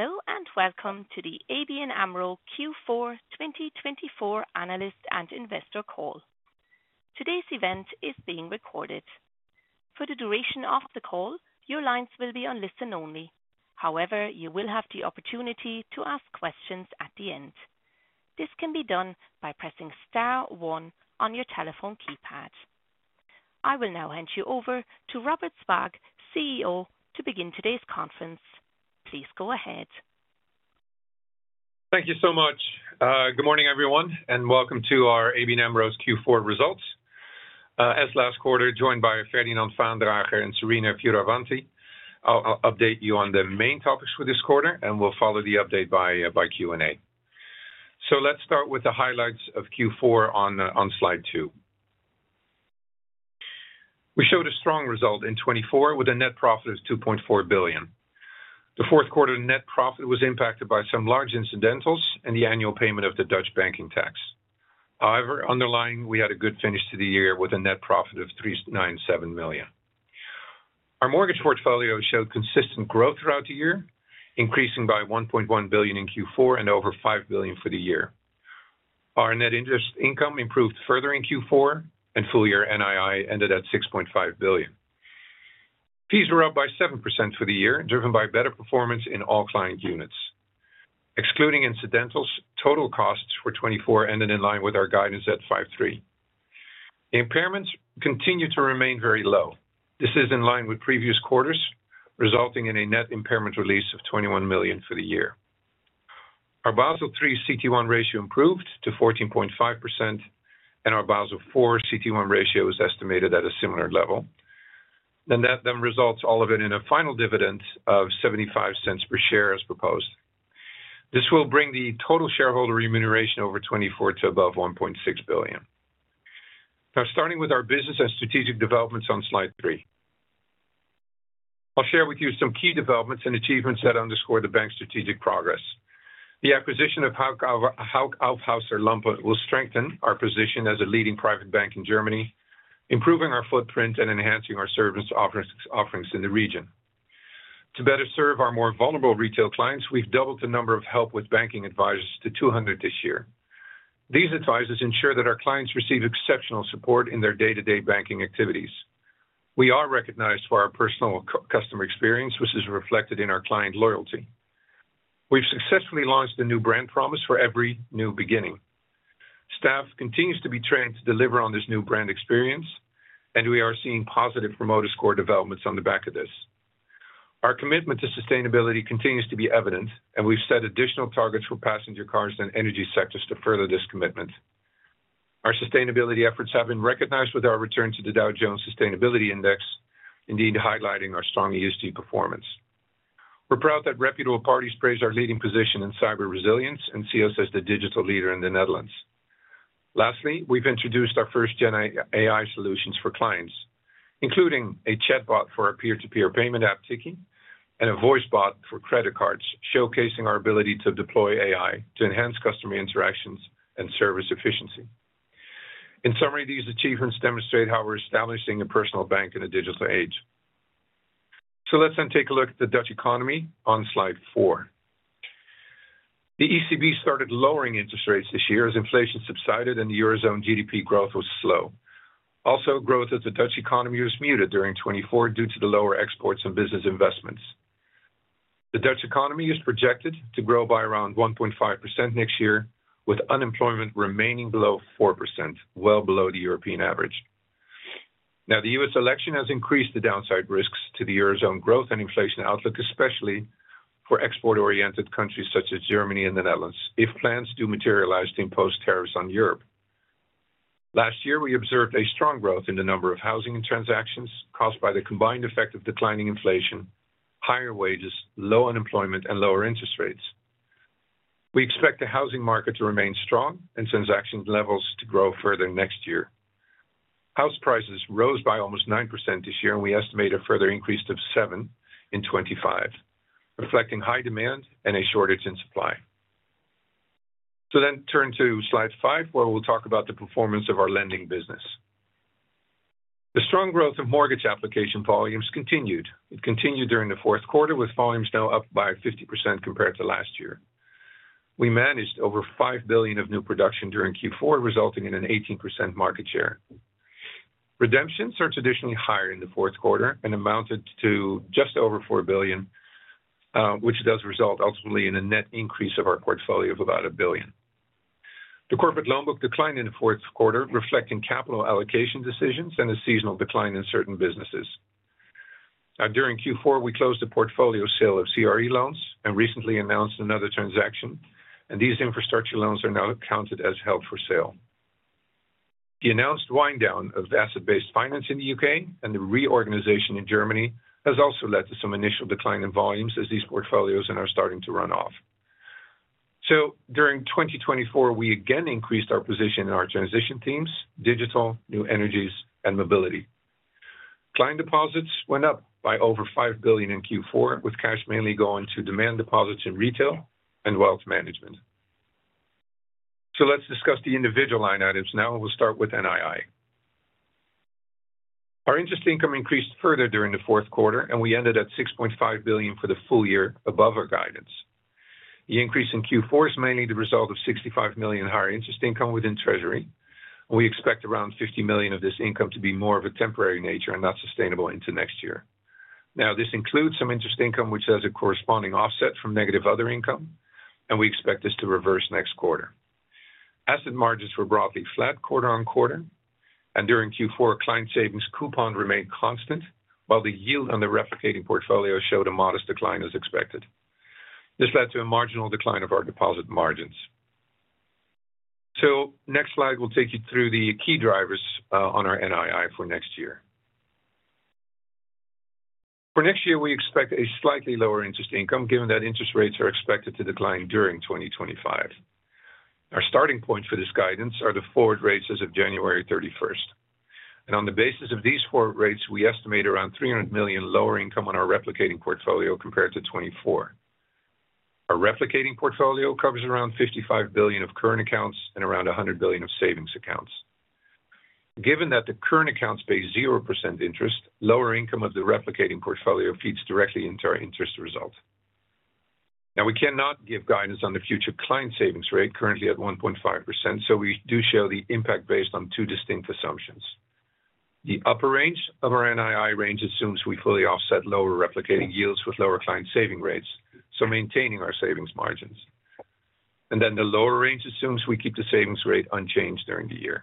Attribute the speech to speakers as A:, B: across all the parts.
A: Hello, and welcome to the ABN AMRO Q4 2024 analyst and investor call. Today's event is being recorded. For the duration of the call, your lines will be on listen only. However, you will have the opportunity to ask questions at the end. This can be done by pressing star one on your telephone keypad. I will now hand you over to Robert Swaak, CEO, to begin today's conference. Please go ahead.
B: Thank you so much. Good morning, everyone, and welcome to our ABN AMRO's Q4 results. As last quarter, joined by Ferdinand Vaandrager and Serena Fioravanti, I'll update you on the main topics for this quarter, and we'll follow the update by Q&A. So let's start with the highlights of Q4 on slide two. We showed a strong result in 2024 with a net profit of 2.4 billion. The fourth quarter net profit was impacted by some large incidentals and the annual payment of the Dutch banking tax. However, underlying, we had a good finish to the year with a net profit of 397 million. Our mortgage portfolio showed consistent growth throughout the year, increasing by 1.1 billion in Q4 and over 5 billion for the year. Our net interest income improved further in Q4, and full year NII ended at 6.5 billion. Fees were up by 7% for the year, driven by better performance in all client units. Excluding incidentals, total costs for 2024 ended in line with our guidance at 5.3 billion. Impairments continue to remain very low. This is in line with previous quarters, resulting in a net impairment release of 21 million for the year. Our Basel III CET1 ratio improved to 14.5%, and our Basel IV CET1 ratio is estimated at a similar level. Then that results all of it in a final dividend of 0.75 per share as proposed. This will bring the total shareholder remuneration over 2024 to above 1.6 billion. Now, starting with our business and strategic developments on slide three, I'll share with you some key developments and achievements that underscore the bank's strategic progress. The acquisition of Hauck Aufhäuser Lampe will strengthen our position as a leading private bank in Germany, improving our footprint and enhancing our service offerings in the region. To better serve our more vulnerable retail clients, we've doubled the number of Help with Banking advisors to 200 this year. These advisors ensure that our clients receive exceptional support in their day-to-day banking activities. We are recognized for our personal customer experience, which is reflected in our client loyalty. We've successfully launched a new brand promise For Every New Beginning. Staff continues to be trained to deliver on this new brand experience, and we are seeing positive promoter score developments on the back of this. Our commitment to sustainability continues to be evident, and we've set additional targets for passenger cars and energy sectors to further this commitment. Our sustainability efforts have been recognized with our return to the Dow Jones Sustainability Index, indeed highlighting our strong ESG performance. We're proud that reputable parties praise our leading position in cyber resilience and see us as the digital leader in the Netherlands. Lastly, we've introduced our first GenAI solutions for clients, including a chatbot for our peer-to-peer payment app, Tikkie, and a voice bot for credit cards, showcasing our ability to deploy AI to enhance customer interactions and service efficiency. In summary, these achievements demonstrate how we're establishing a personal bank in a digital age. So let's then take a look at the Dutch economy on slide four. The ECB started lowering interest rates this year as inflation subsided and the Eurozone GDP growth was slow. Also, growth of the Dutch economy was muted during 2024 due to the lower exports and business investments. The Dutch economy is projected to grow by around 1.5% next year, with unemployment remaining below 4%, well below the European average. Now, the U.S. election has increased the downside risks to the Eurozone growth and inflation outlook, especially for export-oriented countries such as Germany and the Netherlands, if plans do materialize to impose tariffs on Europe. Last year, we observed a strong growth in the number of housing transactions caused by the combined effect of declining inflation, higher wages, low unemployment, and lower interest rates. We expect the housing market to remain strong and transaction levels to grow further next year. House prices rose by almost 9% this year, and we estimate a further increase of 7% in 2025, reflecting high demand and a shortage in supply. So then turn to slide five, where we'll talk about the performance of our lending business. The strong growth of mortgage application volumes continued. It continued during the fourth quarter, with volumes now up by 50% compared to last year. We managed over 5 billion of new production during Q4, resulting in an 18% market share. Redemptions are traditionally higher in the fourth quarter and amounted to just over 4 billion, which does result ultimately in a net increase of our portfolio of about 1 billion. The corporate loan book declined in the fourth quarter, reflecting capital allocation decisions and a seasonal decline in certain businesses. Now, during Q4, we closed a portfolio sale of CRE loans and recently announced another transaction, and these infrastructure loans are now counted as held for sale. The announced wind down of asset-based finance in the UK and the reorganization in Germany has also led to some initial decline in volumes as these portfolios are starting to run off. During 2024, we again increased our position in our transition themes: digital, new energies, and mobility. Client deposits went up by over five billion in Q4, with cash mainly going to demand deposits in retail and wealth management. Let's discuss the individual line items now, and we'll start with NII. Our interest income increased further during the fourth quarter, and we ended at 6.5 billion for the full year, above our guidance. The increase in Q4 is mainly the result of 65 million higher interest income within treasury. We expect around 50 million of this income to be more of a temporary nature and not sustainable into next year. Now, this includes some interest income, which has a corresponding offset from negative other income, and we expect this to reverse next quarter. Asset margins were broadly flat quarter on quarter, and during Q4, client savings coupon remained constant, while the yield on the replicating portfolio showed a modest decline as expected. This led to a marginal decline of our deposit margins. So next slide will take you through the key drivers on our NII for next year. For next year, we expect a slightly lower interest income given that interest rates are expected to decline during 2025. Our starting point for this guidance are the forward rates as of January 31st. And on the basis of these forward rates, we estimate around 300 million lower income on our replicating portfolio compared to 2024. Our replicating portfolio covers around 55 billion of current accounts and around 100 billion of savings accounts. Given that the current accounts pay 0% interest, lower income of the replicating portfolio feeds directly into our interest result. Now, we cannot give guidance on the future client savings rate currently at 1.5%, so we do show the impact based on two distinct assumptions. The upper range of our NII range assumes we fully offset lower replicating yields with lower client saving rates, so maintaining our savings margins. And then the lower range assumes we keep the savings rate unchanged during the year.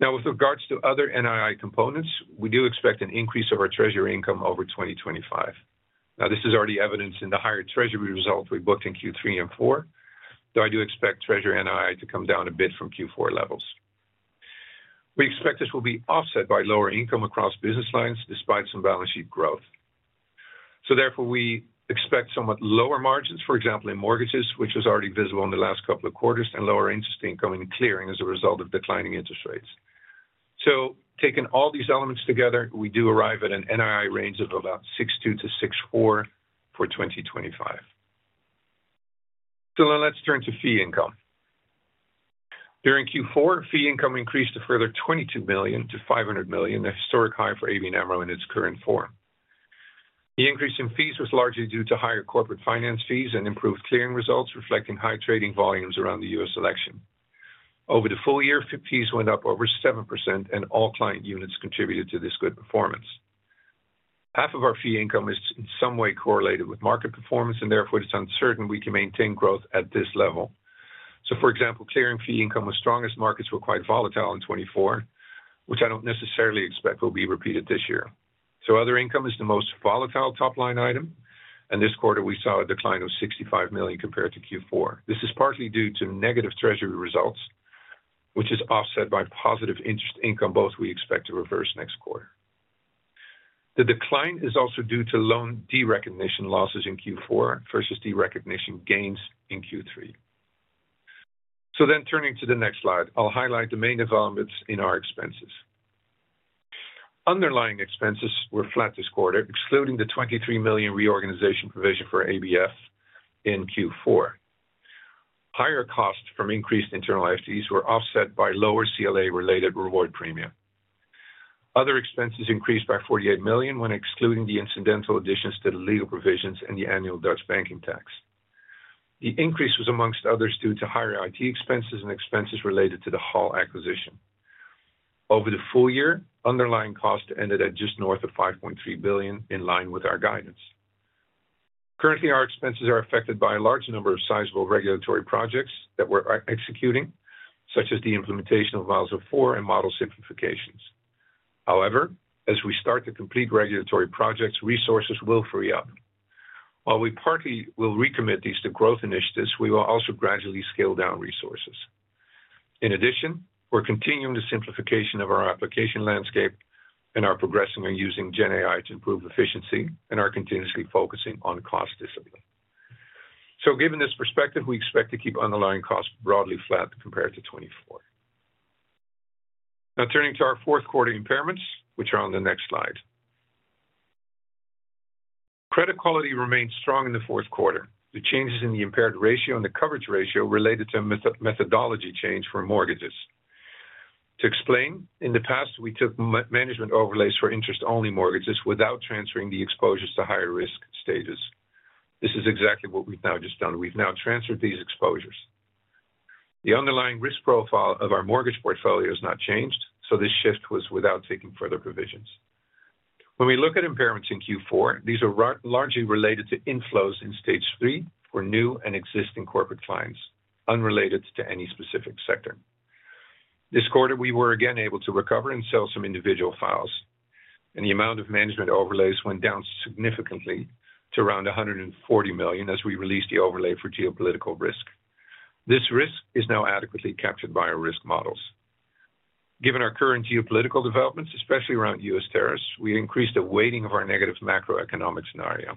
B: Now, with regards to other NII components, we do expect an increase of our treasury income over 2025. Now, this is already evidenced in the higher treasury result we booked in Q3 and Q4, though I do expect treasury NII to come down a bit from Q4 levels. We expect this will be offset by lower income across business lines despite some balance sheet growth. Therefore, we expect somewhat lower margins, for example, in mortgages, which was already visible in the last couple of quarters, and lower interest income in clearing as a result of declining interest rates. Taking all these elements together, we do arrive at an NII range of about 6.2 billion-6.4 billion for 2025. Then let's turn to fee income. During Q4, fee income increased by a further 22 million to 500 million, a historic high for ABN AMRO in its current form. The increase in fees was largely due to higher corporate finance fees and improved clearing results, reflecting high trading volumes around the U.S. election. Over the full year, fees went up over 7%, and all client units contributed to this good performance. Half of our fee income is in some way correlated with market performance, and therefore, it's uncertain we can maintain growth at this level. For example, clearing fee income was strong as markets were quite volatile in 2024, which I don't necessarily expect will be repeated this year. Other income is the most volatile top line item, and this quarter we saw a decline of 65 million compared to Q4. This is partly due to negative treasury results, which is offset by positive interest income, both we expect to reverse next quarter. The decline is also due to loan derecognition losses in Q4 versus derecognition gains in Q3. Then turning to the next slide, I'll highlight the main developments in our expenses. Underlying expenses were flat this quarter, excluding the 23 million reorganization provision for ABF in Q4. Higher costs from increased internal FTEs were offset by lower CLA-related reward premium. Other expenses increased by 48 million when excluding the incidental additions to the legal provisions and the annual Dutch banking tax. The increase was among others due to higher IT expenses and expenses related to the HAL acquisition. Over the full year, underlying cost ended at just north of 5.3 billion, in line with our guidance. Currently, our expenses are affected by a large number of sizable regulatory projects that we're executing, such as the implementation of Basel IV and model simplifications. However, as we start to complete regulatory projects, resources will free up. While we partly will recommit these to growth initiatives, we will also gradually scale down resources. In addition, we're continuing the simplification of our application landscape and are progressing on using GenAI to improve efficiency and are continuously focusing on cost discipline. Given this perspective, we expect to keep underlying costs broadly flat compared to 2024. Now turning to our fourth quarter impairments, which are on the next slide. Credit quality remained strong in the fourth quarter. The changes in the impaired ratio and the coverage ratio related to methodology change for mortgages. To explain, in the past, we took management overlays for interest-only mortgages without transferring the exposures to higher risk stages. This is exactly what we've now just done. We've now transferred these exposures. The underlying risk profile of our mortgage portfolio has not changed, so this shift was without taking further provisions. When we look at impairments in Q4, these are largely related to inflows in stage three for new and existing corporate clients, unrelated to any specific sector. This quarter, we were again able to recover and sell some individual files, and the amount of management overlays went down significantly to around 140 million as we released the overlay for geopolitical risk. This risk is now adequately captured by our risk models. Given our current geopolitical developments, especially around U.S. tariffs, we increased the weighting of our negative macroeconomic scenario.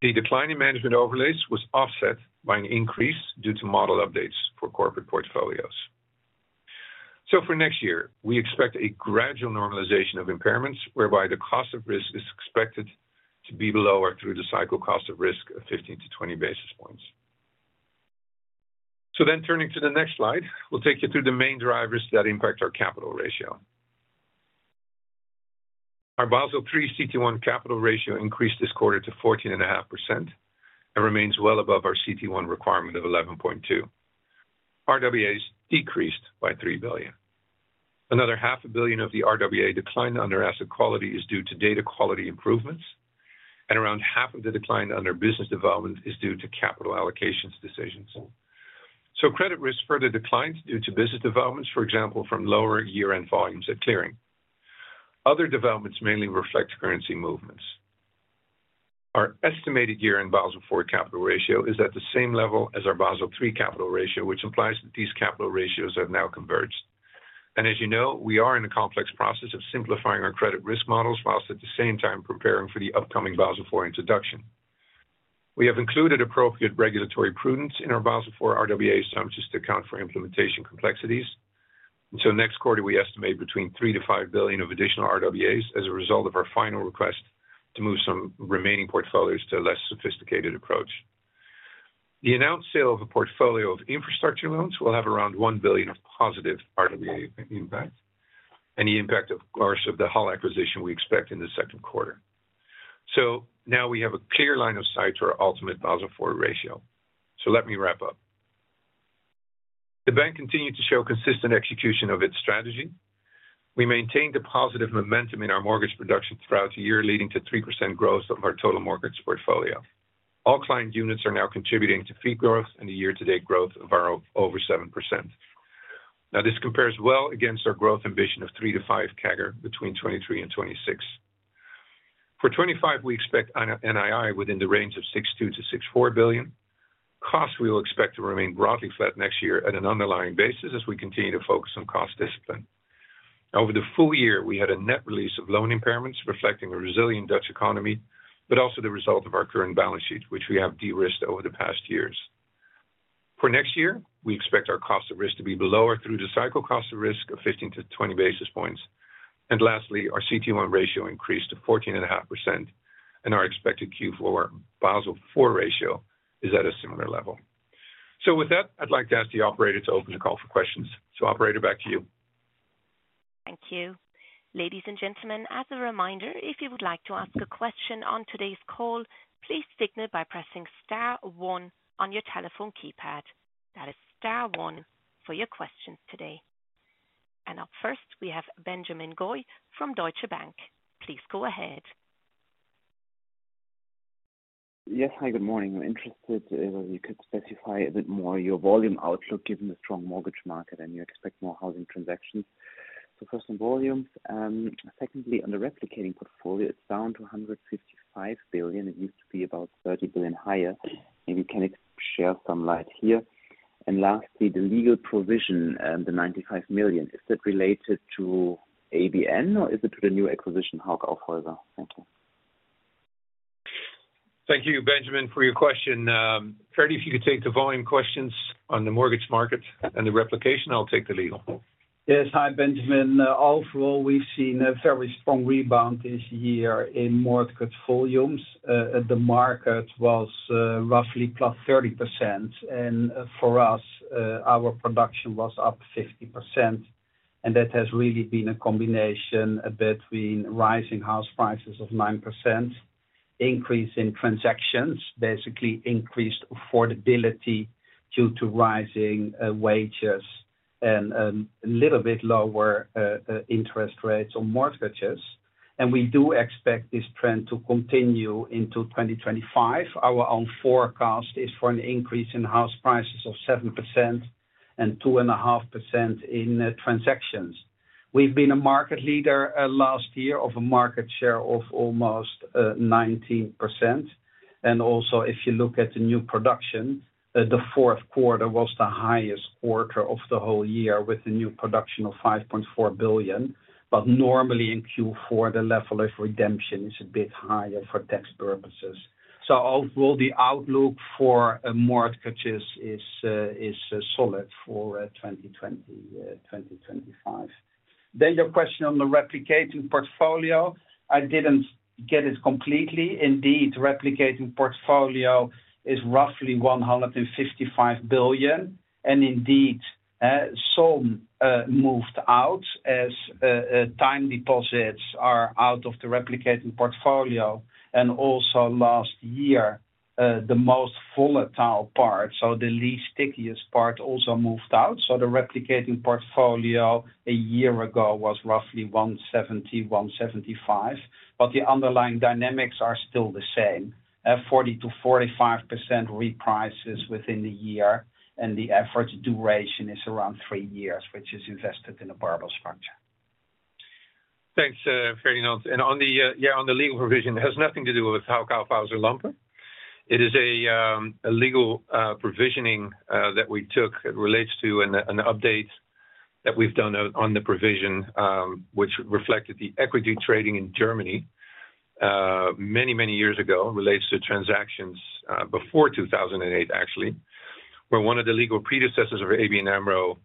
B: The decline in management overlays was offset by an increase due to model updates for corporate portfolios. So for next year, we expect a gradual normalization of impairments, whereby the cost of risk is expected to be below or through the cycle cost of risk of 15-20 basis points. So then turning to the next slide, we'll take you through the main drivers that impact our capital ratio. Our Basel III CET1 capital ratio increased this quarter to 14.5% and remains well above our CET1 requirement of 11.2%. RWAs decreased by 3 billion. Another 0.5 billion of the RWA decline under asset quality is due to data quality improvements, and around half of the decline under business development is due to capital allocations decisions. So credit risk further declines due to business developments, for example, from lower year-end volumes at clearing. Other developments mainly reflect currency movements. Our estimated year-end Basel IV capital ratio is at the same level as our Basel III capital ratio, which implies that these capital ratios have now converged, and as you know, we are in a complex process of simplifying our credit risk models whilst at the same time preparing for the upcoming Basel IV introduction. We have included appropriate regulatory prudence in our Basel IV RWA assumptions to account for implementation complexities. Next quarter, we estimate between 3-5 billion of additional RWAs as a result of our final request to move some remaining portfolios to a less sophisticated approach. The announced sale of a portfolio of infrastructure loans will have around 1 billion of positive RWA impact, and the impact, of course, of the HAL acquisition we expect in the second quarter. Now we have a clear line of sight to our ultimate Basel IV ratio. Let me wrap up. The bank continued to show consistent execution of its strategy. We maintained a positive momentum in our mortgage production throughout the year, leading to 3% growth of our total mortgage portfolio. All client units are now contributing to fee growth and the year-to-date growth of our over 7%. Now, this compares well against our growth ambition of 3-5 CAGR between 2023 and 2026. For 2025, we expect NII within the range of 6.2 billion-6.4 billion. Costs we will expect to remain broadly flat next year at an underlying basis as we continue to focus on cost discipline. Over the full year, we had a net release of loan impairments reflecting a resilient Dutch economy, but also the result of our current balance sheet, which we have de-risked over the past years. For next year, we expect our cost of risk to be below or through the cycle cost of risk of 15-20 basis points. And lastly, our CET1 ratio increased to 14.5%, and our expected Q4 Basel IV ratio is at a similar level. So with that, I'd like to ask the operator to open the call for questions. So operator, back to you.
A: Thank you. Ladies and gentlemen, as a reminder, if you would like to ask a question on today's call, please signal by pressing star one on your telephone keypad. That is star one for your question today. And up first, we have Benjamin Goy from Deutsche Bank. Please go ahead.
C: Yes, hi, good morning. I'm interested if you could specify a bit more your volume outlook given the strong mortgage market and you expect more housing transactions. So first on volumes. Secondly, on the replicating portfolio, it's down to 155 billion. It used to be about 30 billion higher. Maybe you can shed some light here. And lastly, the legal provision, the 95 million, is that related to ABN or is it to the new acquisition, Hauck Aufhäuser? Thank you.
B: Thank you, Benjamin, for your question. Ferdie, if you could take the volume questions on the mortgage market and the replication, I'll take the legal.
D: Yes, hi Benjamin. Overall, we've seen a fairly strong rebound this year in mortgage portfolios. The market was roughly plus 30%, and for us, our production was up 50%. And that has really been a combination between rising house prices of 9%, increase in transactions, basically increased affordability due to rising wages, and a little bit lower interest rates on mortgages. And we do expect this trend to continue into 2025. Our own forecast is for an increase in house prices of 7% and 2.5% in transactions. We've been a market leader last year of a market share of almost 19%. And also, if you look at the new production, the fourth quarter was the highest quarter of the whole year with a new production of 5.4 billion. Normally in Q4, the level of redemption is a bit higher for tax purposes. So overall, the outlook for mortgages is solid for 2020, 2025. Then your question on the replicating portfolio, I didn't get it completely. Indeed, replicating portfolio is roughly 155 billion. And indeed, some moved out as time deposits are out of the replicating portfolio. And also last year, the most volatile part, so the least stickiest part, also moved out. So the replicating portfolio a year ago was roughly 170 billion-175 billion. But the underlying dynamics are still the same, 40%-45% reprices within the year. And the average duration is around three years, which is invested in a barbell structure.
B: Thanks, Ferdie. And on the legal provision, it has nothing to do with Hauck Aufhäuser Lampe. It is a legal provisioning that we took. It relates to an update that we've done on the provision, which reflected the equity trading in Germany many, many years ago. It relates to transactions before 2008, actually, where one of the legal predecessors of ABN AMRO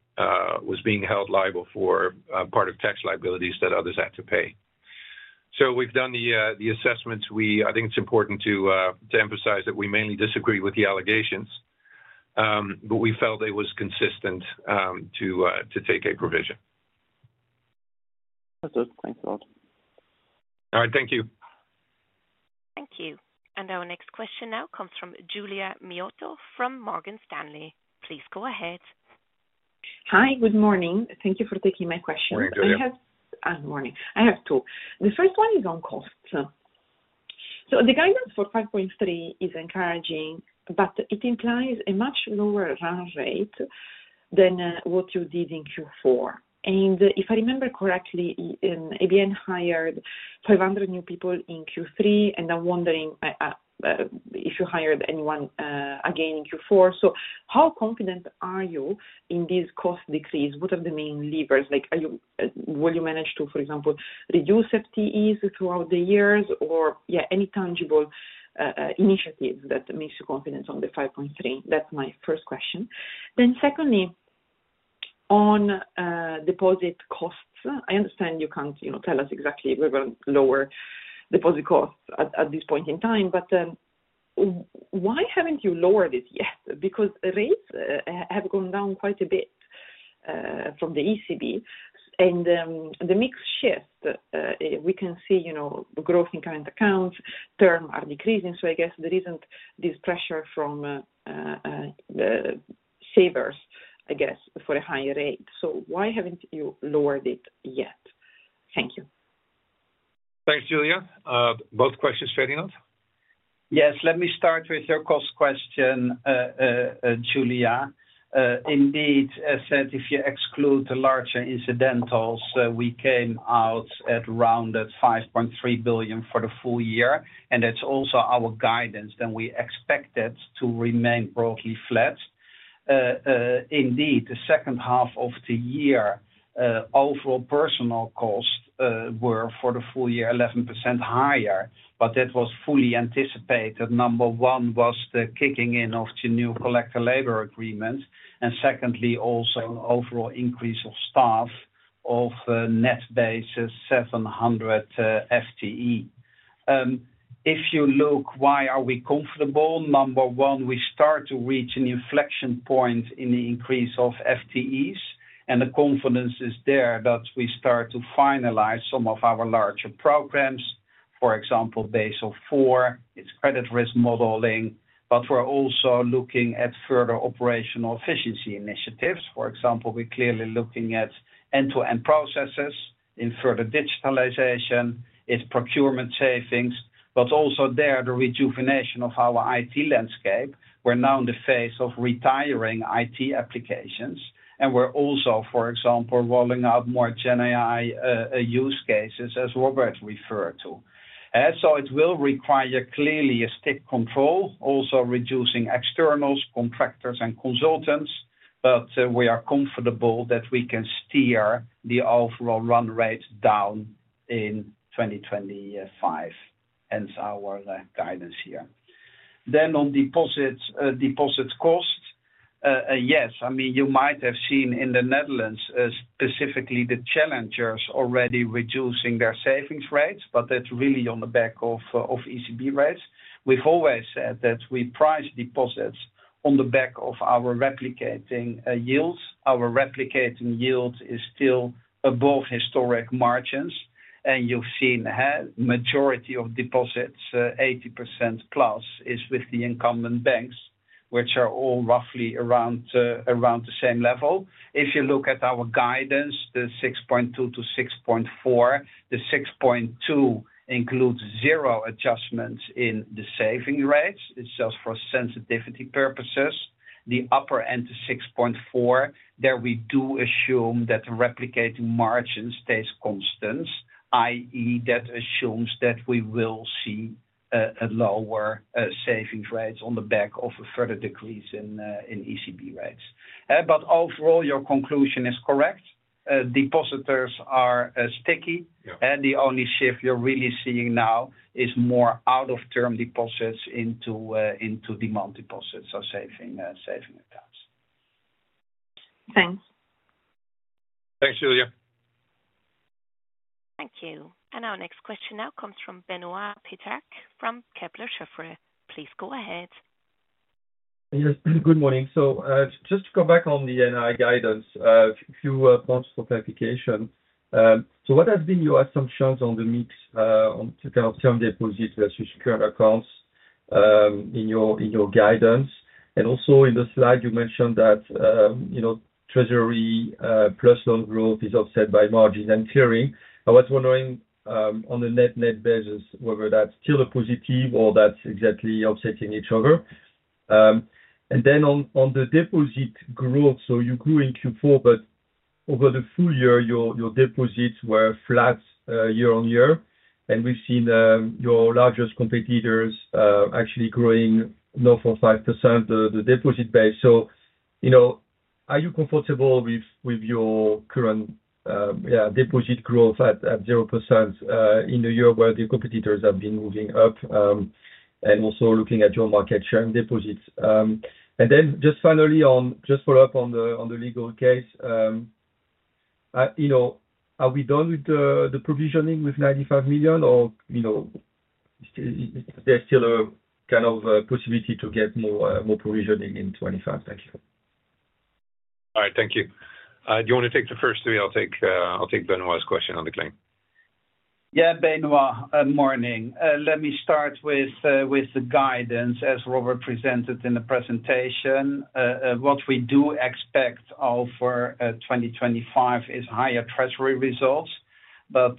B: was being held liable for part of tax liabilities that others had to pay. So we've done the assessments. I think it's important to emphasize that we mainly disagree with the allegations, but we felt it was consistent to take a provision.
C: That's good. Thanks a lot.
B: All right, thank you.
A: Thank you. And our next question now comes from Giulia Miotto from Morgan Stanley. Please go ahead.
E: Hi, good morning. Thank you for taking my question. I have two questions. Good morning. I have two. The first one is on costs. So the guidance for 5.3 is encouraging, but it implies a much lower run rate than what you did in Q4. And if I remember correctly, ABN hired 500 new people in Q3, and I'm wondering if you hired anyone again in Q4. So how confident are you in these cost decreases? What are the main levers? Will you manage to, for example, reduce FTEs throughout the years? Or, yeah, any tangible initiatives that make you confident on the 5.3? That's my first question. Then secondly, on deposit costs, I understand you can't tell us exactly if we're going to lower deposit costs at this point in time, but why haven't you lowered it yet? Because rates have gone down quite a bit from the ECB, and the mix shifts. We can see growth in current accounts, terms are decreasing, so I guess there isn't this pressure from savers, I guess, for a higher rate. So why haven't you lowered it yet? Thank you.
B: Thanks, Julia. Both questions, Ferdie?
D: Yes, let me start with your cost question, Julia. Indeed, as I said, if you exclude the larger incidentals, we came out at around 5.3 billion for the full year, and that's also our guidance. Then we expect that to remain broadly flat. Indeed, the second half of the year, overall personnel costs were for the full year 11% higher, but that was fully anticipated. Number one was the kicking in of the new collective labor agreement, and secondly, also an overall increase of staff of net basis 700 FTE. If you look, why are we comfortable? Number one, we start to reach an inflection point in the increase of FTEs, and the confidence is there that we start to finalize some of our larger programs. For example, Basel IV, it's credit risk modeling, but we're also looking at further operational efficiency initiatives. For example, we're clearly looking at end-to-end processes in further digitalization, its procurement savings, but also there the rejuvenation of our IT landscape. We're now in the phase of retiring IT applications, and we're also, for example, rolling out more GenAI use cases, as Robert referred to. So it will require clearly a strict control, also reducing externals, contractors, and consultants, but we are comfortable that we can steer the overall run rate down in 2025, hence our guidance here. Then on deposit costs, yes. I mean, you might have seen in the Netherlands specifically the challengers already reducing their savings rates, but that's really on the back of ECB rates. We've always said that we price deposits on the back of our replicating yields. Our replicating yield is still above historic margins, and you've seen the majority of deposits, 80% plus, is with the incumbent banks, which are all roughly around the same level. If you look at our guidance, the 6.2-6.4, the 6.2 includes zero adjustments in the saving rates. It's just for sensitivity purposes. The upper end to 6.4, there we do assume that the replicating margin stays constant, i.e., that assumes that we will see lower savings rates on the back of further decrease in ECB rates. But overall, your conclusion is correct. Depositors are sticky, and the only shift you're really seeing now is more out-of-term deposits into demand deposits or savings accounts.
E: Thanks.
B: Thanks, Giulia.
A: Thank you. And our next question now comes from Benoît Pétrarque from Kepler Cheuvreux. Please go ahead.
F: Yes, good morning. So just to go back on the NII guidance, a few points for clarification. So what have been your assumptions on the mix on term deposits versus current accounts in your guidance? And also in the slide, you mentioned that Treasury plus loan growth is offset by margins and clearing. I was wondering on the net-net basis whether that's still a positive or that's exactly offsetting each other. And then on the deposit growth, so you grew in Q4, but over the full year, your deposits were flat year on year, and we've seen your largest competitors actually growing 0.5%, the deposit base. So are you comfortable with your current deposit growth at 0% in a year where the competitors have been moving up and also looking at your market share in deposits? And then just finally, just follow up on the legal case. Are we done with the provisioning with 95 million, or is there still a kind of possibility to get more provisioning in 2025? Thank you.
B: All right, thank you. Do you want to take the first three? I'll take Benoît's question on the claim.
D: Yeah, Benoît, morning. Let me start with the guidance, as Robert presented in the presentation. What we do expect for 2025 is higher Treasury results. But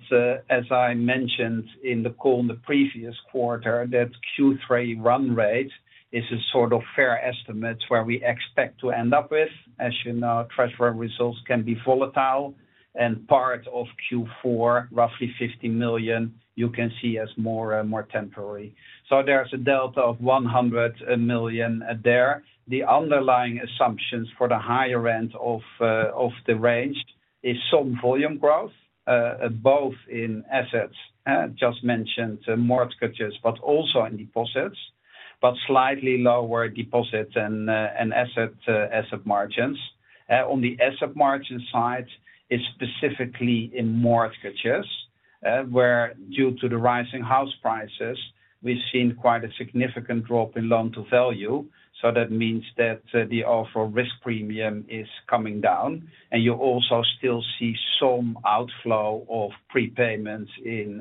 D: as I mentioned in the call in the previous quarter, that Q3 run rate is a sort of fair estimate where we expect to end up with. As you know, Treasury results can be volatile, and part of Q4, roughly 50 million, you can see as more temporary. So there's a delta of 100 million there. The underlying assumptions for the higher end of the range is some volume growth, both in assets, just mentioned mortgages, but also in deposits, but slightly lower deposit and asset margins. On the asset margin side, it's specifically in mortgages, where due to the rising house prices, we've seen quite a significant drop in loan-to-value. So that means that the overall risk premium is coming down, and you also still see some outflow of prepayments in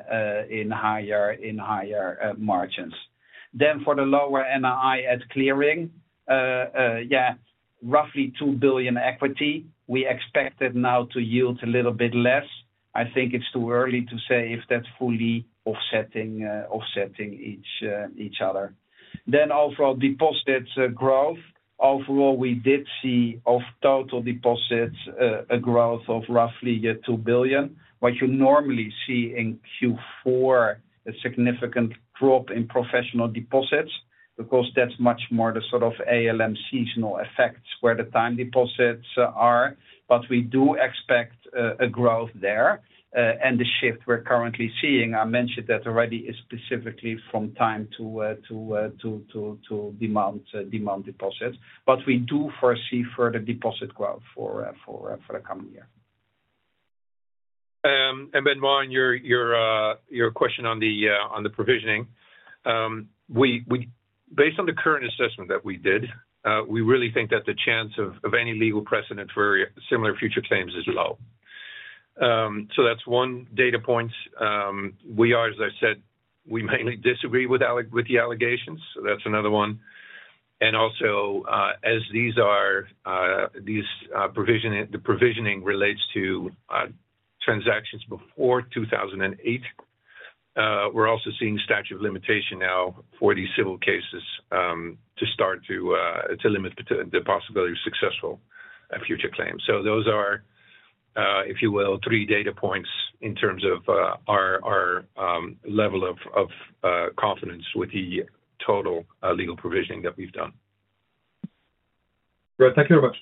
D: higher margins. Then for the lower NI at clearing, yeah, roughly 2 billion equity. We expect it now to yield a little bit less. I think it's too early to say if that's fully offsetting each other. Then overall deposits growth. Overall, we did see of total deposits a growth of roughly 2 billion. What you normally see in Q4, a significant drop in professional deposits because that's much more the sort of ALM seasonal effects where the time deposits are, but we do expect a growth there. And the shift we're currently seeing, I mentioned that already, is specifically from time to demand deposits, but we do foresee further deposit growth for the coming year.
B: And Benoît, on your question on the provisioning, based on the current assessment that we did, we really think that the chance of any legal precedent for similar future claims is low. So that's one data point. We are, as I said, we mainly disagree with the allegations. So that's another one. And also, as the provisioning relates to transactions before 2008, we're also seeing statute of limitation now for these civil cases to start to limit the possibility of successful future claims. So those are, if you will, three data points in terms of our level of confidence with the total legal provisioning that we've done.
F: Great. Thank you very much.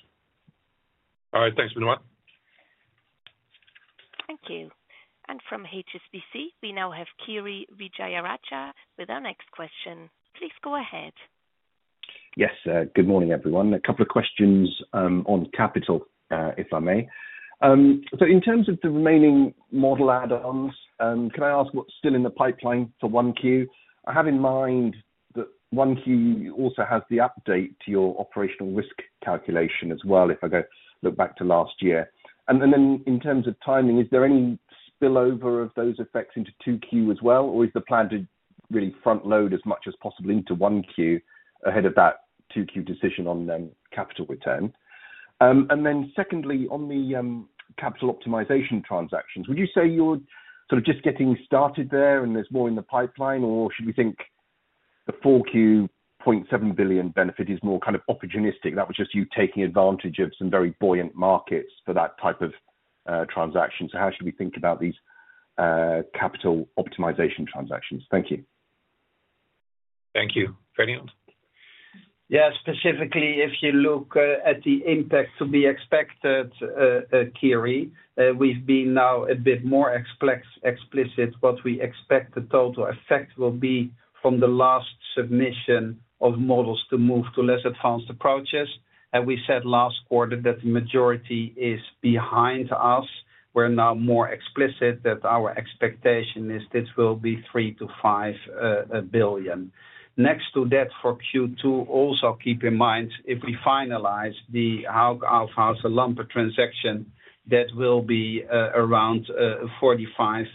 B: All right, thanks, Benoît.
A: Thank you. And from HSBC, we now have Kiri Vijayarajah with our next question. Please go ahead.
G: Yes, good morning, everyone. A couple of questions on capital, if I may. So in terms of the remaining model add-ons, can I ask what's still in the pipeline for 1Q? I have in mind that 1Q also has the update to your operational risk calculation as well if I go look back to last year. And then in terms of timing, is there any spillover of those effects into 2Q as well, or is the plan to really front-load as much as possible into 1Q ahead of that 2Q decision on capital return? And then secondly, on the capital optimization transactions, would you say you're sort of just getting started there and there's more in the pipeline, or should we think the 4Q, 7 billion benefit is more kind of opportunistic? That was just you taking advantage of some very buoyant markets for that type of transaction. So how should we think about these capital optimization transactions? Thank you.
B: Thank you. Ferdie?
D: Yeah, specifically, if you look at the impact to be expected, Kiri, we've been now a bit more explicit what we expect the total effect will be from the last submission of models to move to less advanced approaches. We said last quarter that the majority is behind us. We're now more explicit that our expectation is this will be 3 billion-5 billion. Next to that for Q2, also keep in mind if we finalize the Hauck Aufhäuser Lampe transaction, that will be around 45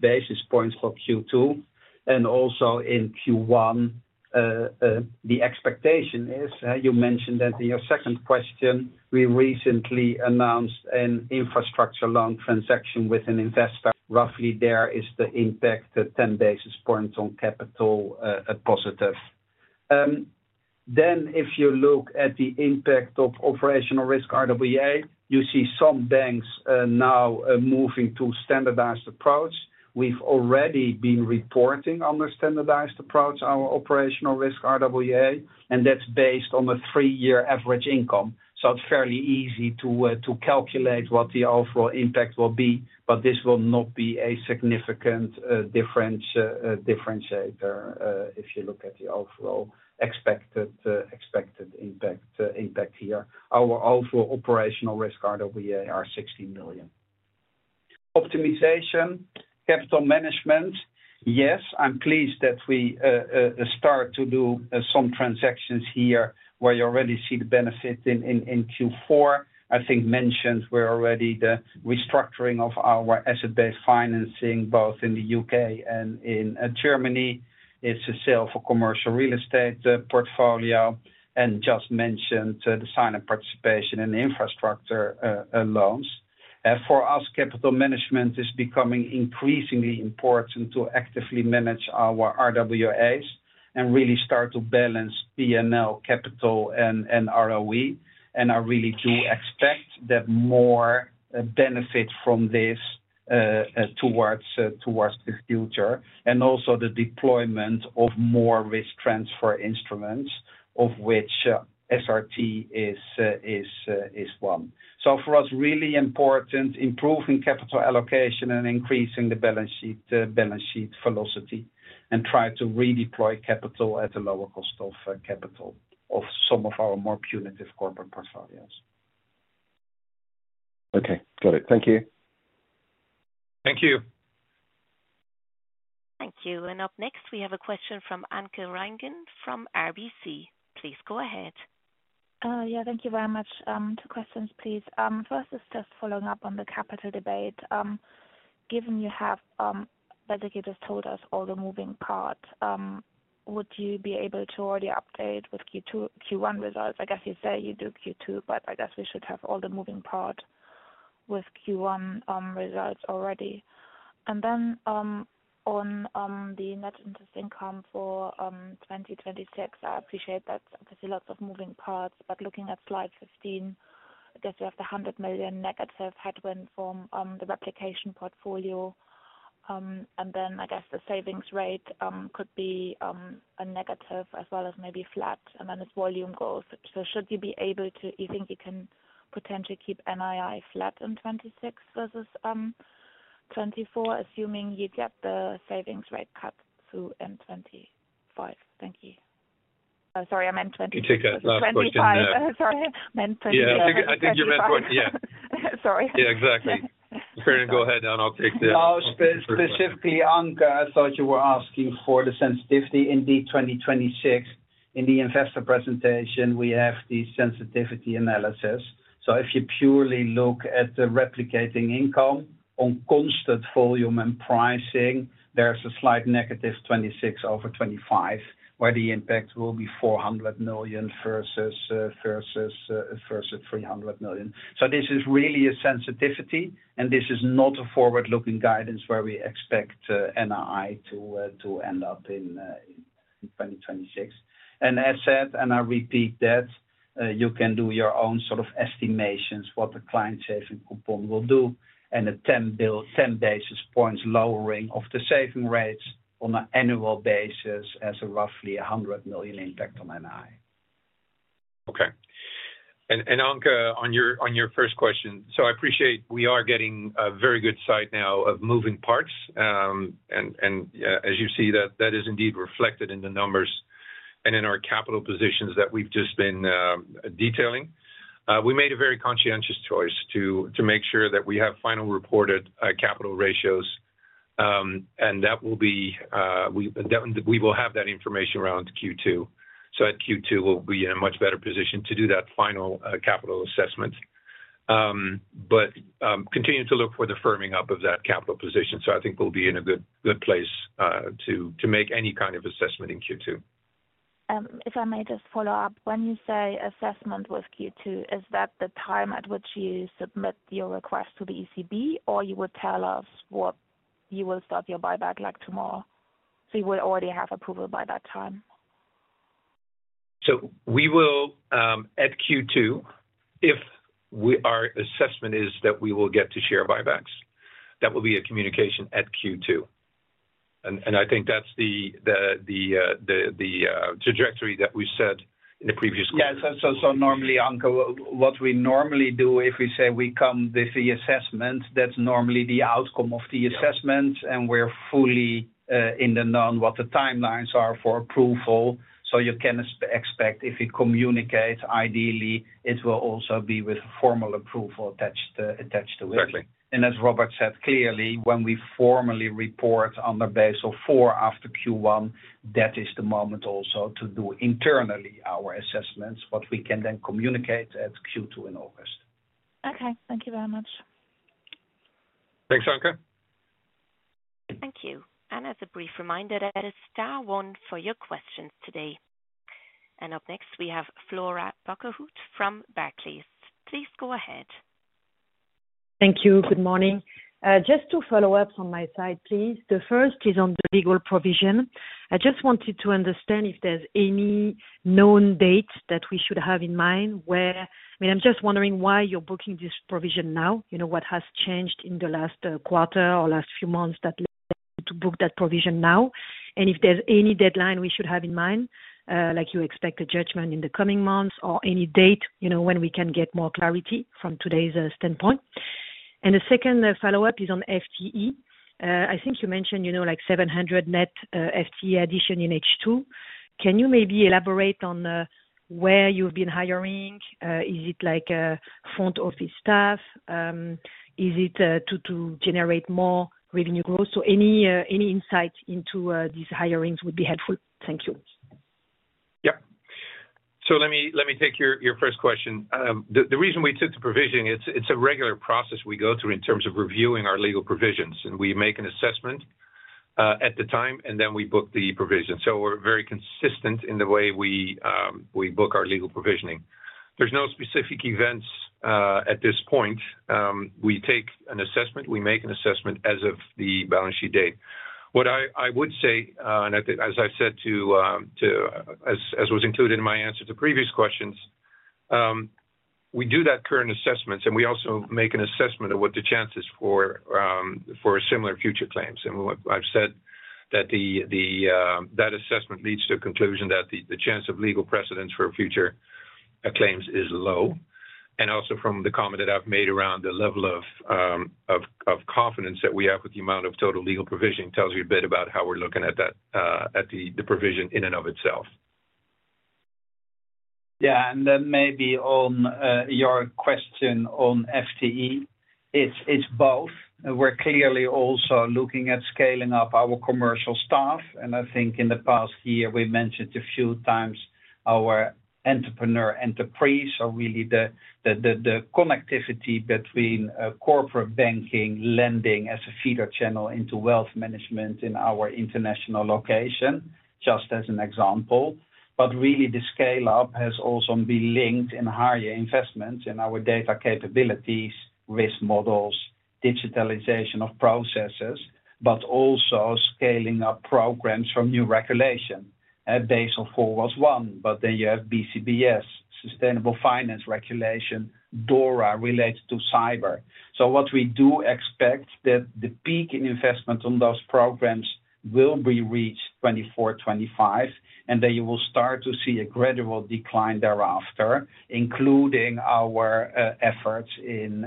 D: basis points for Q2. And also in Q1, the expectation is, you mentioned that in your second question, we recently announced an infrastructure loan transaction with an investor. Roughly there is the impact at 10 basis points on capital positive. Then if you look at the impact of operational risk RWA, you see some banks now moving to standardized approach. We've already been reporting on the standardized approach, our operational risk RWA, and that's based on a three-year average income. So it's fairly easy to calculate what the overall impact will be, but this will not be a significant differentiator if you look at the overall expected impact here. Our overall operational risk RWA are 16 million. Optimization, capital management, yes, I'm pleased that we start to do some transactions here where you already see the benefit in Q4. I think mentioned we're already the restructuring of our asset-based financing both in the U.K. and in Germany. It's a sale for commercial real estate portfolio and just mentioned the sign-up participation in infrastructure loans. For us, capital management is becoming increasingly important to actively manage our RWAs and really start to balance P&L, capital, and ROE. And I really do expect that more benefit from this towards the future and also the deployment of more risk transfer instruments, of which SRT is one. So for us, really important improving capital allocation and increasing the balance sheet velocity and try to redeploy capital at a lower cost of capital of some of our more punitive corporate portfolios.
G: Okay, got it. Thank you.
B: Thank you.
A: Thank you. And up next, we have a question from Anke Reingen from RBC. Please go ahead.
H: Yeah, thank you very much. Two questions, please. First is just following up on the capital debate. Given you have basically just told us all the moving part, would you be able to already update with Q1 results? I guess you say you do Q2, but I guess we should have all the moving part with Q1 results already. And then on the net interest income for 2026, I appreciate that there's lots of moving parts, but looking at slide 15, I guess we have the 100 million negative headwind from the replication portfolio. And then I guess the savings rate could be a negative as well as maybe flat, and then it's volume growth. So should you be able to, you think you can potentially keep NII flat in 2026 versus 2024, assuming you get the savings rate cut through 2025? Thank you. Sorry, I meant 2026.
B: You take that.
H: 2025. Sorry. I meant 2026.
B: Yeah, I think you meant 2020. Yeah.
H: Sorry.
B: Yeah, exactly. Go ahead, and I'll take that.
D: No, specifically, Anke, I thought you were asking for the sensitivity. Indeed, 2026, in the investor presentation, we have the sensitivity analysis. If you purely look at the replicating income on constant volume and pricing, there's a slight negative 2026 over 2025, where the impact will be 400 million versus 300 million. So this is really a sensitivity, and this is not a forward-looking guidance where we expect NII to end up in 2026. And as said, and I repeat that, you can do your own sort of estimations what the client saving coupon will do and a 10 basis points lowering of the saving rates on an annual basis has a roughly 100 million impact on NII.
B: Okay. And Anke, on your first question, so I appreciate we are getting a very good sight now of moving parts. And as you see, that is indeed reflected in the numbers and in our capital positions that we've just been detailing. We made a very conscientious choice to make sure that we have final reported capital ratios, and that will be. We will have that information around Q2. So at Q2, we'll be in a much better position to do that final capital assessment. But continue to look for the firming up of that capital position. So I think we'll be in a good place to make any kind of assessment in Q2.
H: If I may just follow up, when you say assessment with Q2, is that the time at which you submit your request to the ECB, or you would tell us what you will start your buyback like tomorrow? So you would already have approval by that time?
B: So we will, at Q2, if our assessment is that we will get to share buybacks, that will be a communication at Q2. And I think that's the trajectory that we said in the previous call.
D: Yeah, so normally, Anke, what we normally do, if we say we come with the assessment, that's normally the outcome of the assessment, and we're fully in the know on what the timelines are for approval. So you can expect if it communicates, ideally, it will also be with formal approval attached to it. And as Robert said, clearly, when we formally report on the Basel IV after Q1, that is the moment also to do internally our assessments, but we can then communicate at Q2 in August.
H: Okay. Thank you very much.
B: Thanks, Anke.
A: Thank you. And as a brief reminder, that is star one for your questions today. And up next, we have Flora Bocahut from Barclays. Please go ahead.
I: Thank you. Good morning. Just two follow-ups on my side, please. The first is on the legal provision. I just wanted to understand if there's any known date that we should have in mind where, I mean, I'm just wondering why you're booking this provision now, what has changed in the last quarter or last few months that led you to book that provision now, and if there's any deadline we should have in mind, like you expect a judgment in the coming months or any date when we can get more clarity from today's standpoint. And the second follow-up is on FTE. I think you mentioned like 700 net FTE addition in H2. Can you maybe elaborate on where you've been hiring? Is it like front office staff? Is it to generate more revenue growth? So any insight into these hirings would be helpful. Thank you.
B: Yep. So let me take your first question. The reason we took the provision. It's a regular process we go through in terms of reviewing our legal provisions. We make an assessment at the time, and then we book the provision. We're very consistent in the way we book our legal provisioning. There's no specific events at this point. We take an assessment. We make an assessment as of the balance sheet date. What I would say, and as I've said to, as was included in my answer to previous questions, we do that current assessment, and we also make an assessment of what the chances for similar future claims. I've said that that assessment leads to a conclusion that the chance of legal precedents for future claims is low. Also from the comment that I've made around the level of confidence that we have with the amount of total legal provisioning tells you a bit about how we're looking at the provision in and of itself.
D: Yeah. Then maybe on your question on FTE, it's both. We're clearly also looking at scaling up our commercial staff. I think in the past year, we mentioned a few times our Entrepreneur & Enterprise, or really the connectivity between corporate banking, lending as a feeder channel into wealth management in our international location, just as an example. Really, the scale-up has also been linked in higher investments in our data capabilities, risk models, digitalization of processes, but also scaling up programs from new regulation. Basel IV was one, but then you have BCBS, Sustainable Finance Regulation, DORA related to cyber. So what we do expect that the peak in investment on those programs will be reached 2024, 2025, and then you will start to see a gradual decline thereafter, including our efforts in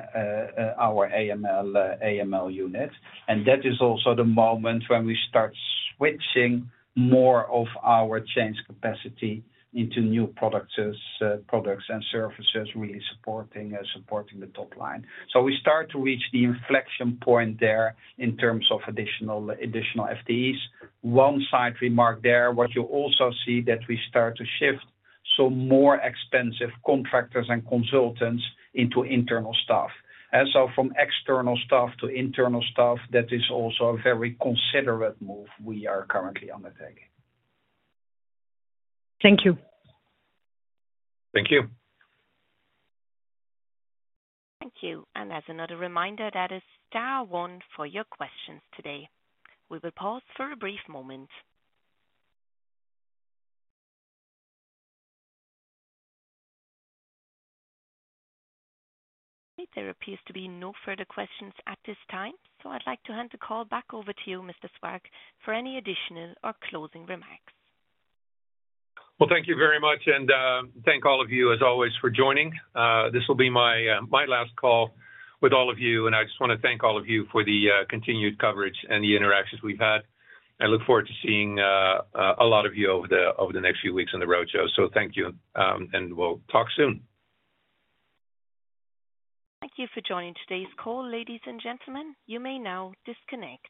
D: our AML unit. And that is also the moment when we start switching more of our change capacity into new products and services, really supporting the top line. So we start to reach the inflection point there in terms of additional FTEs. One side remark there, what you also see that we start to shift some more expensive contractors and consultants into internal staff. So from external staff to internal staff, that is also a very considerate move we are currently undertaking.
I: Thank you.
B: Thank you.
A: Thank you. And as another reminder, that is star one for your questions today. We will pause for a brief moment. There appears to be no further questions at this time. I'd like to hand the call back over to you, Mr. Swaak, for any additional or closing remarks.
B: Well, thank you very much, and thank all of you, as always, for joining. This will be my last call with all of you, and I just want to thank all of you for the continued coverage and the interactions we've had. I look forward to seeing a lot of you over the next few weeks in the roadshow. So thank you, and we'll talk soon.
A: Thank you for joining today's call, ladies and gentlemen. You may now disconnect.